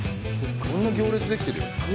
こんな行列できてるよ。